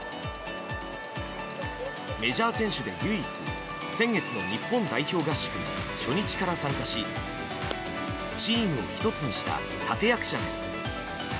メジャー選手で唯一先月の日本代表合宿に初日から参加しチームを１つにした立役者です。